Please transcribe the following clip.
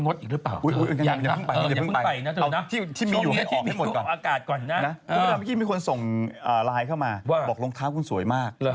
เมื่อกี้มีคนส่งไลน์เข้ามาบอกรองเท้าคุณสวยมาก